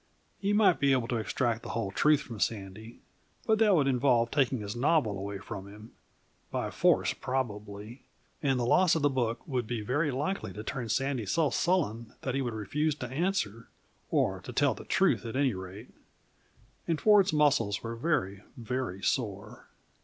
He might be able to extract the whole truth from Sandy, but that would involve taking his novel away from him by force, probably; and the loss of the book would be very likely to turn Sandy so sullen that he would refuse to answer, or to tell the truth, at any rate; and Ford's muscles were very, very sore.